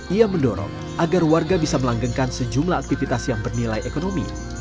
ia mendorong agar warga bisa melanggengkan sejumlah aktivitas yang bernilai ekonomi